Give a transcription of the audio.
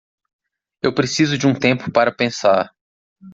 Eu preciso de um tempo para pensar.